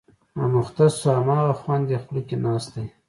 اموخته شو، هماغه خوند یې خوله کې ناست دی.